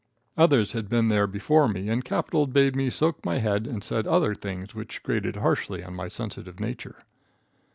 Others had been there before me and capital bade me soak my head and said other things which grated harshly on my sensitive nature.